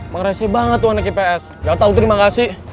mereseh banget tuh anak ipa ips gak tau tuh terima kasih